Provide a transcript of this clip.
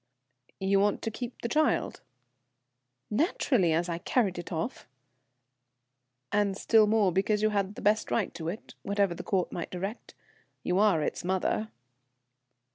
"You want to keep the child?" "Naturally, as I carried it off." "And still more because you had the best right to it, whatever the Court might direct. You are its mother."